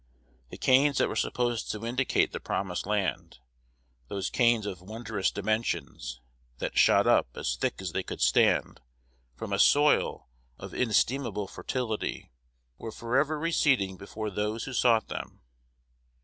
The canes that were supposed to indicate the promised land those canes of wondrous dimensions, that shot up, as thick as they could stand, from a soil of inestimable fertility were forever receding before those who sought them.